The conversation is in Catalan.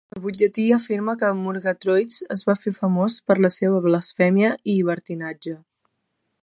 El butlletí afirma que Murgatroyds es va fer famós "per la seva blasfèmia i llibertinatge".